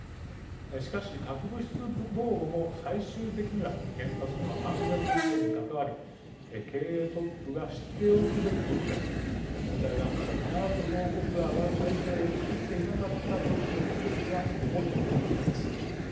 しかし、核物質防護も最終的には原発の安全確保に関わり経営トップが知っておくべきことで問題があったら必ず報告が上がる体制をつくっていなかったトップの責任は重いと思います。